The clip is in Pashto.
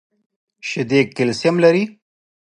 شیدې کلسیم لري .